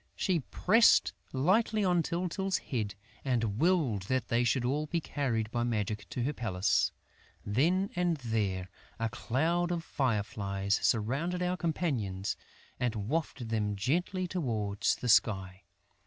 She pressed lightly on Tyltyl's head and willed that they should all be carried by magic to her palace. Then and there, a cloud of fireflies surrounded our companions and wafted them gently towards the sky.